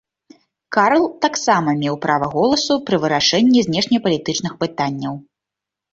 Карл таксама меў права голасу пры вырашэнні знешнепалітычных пытанняў.